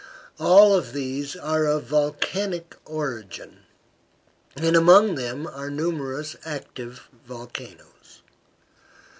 All of these are of volcanic origin, and among them are numerous active volcanoes.